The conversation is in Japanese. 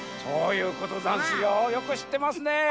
そういうことざんすよよくしってますね！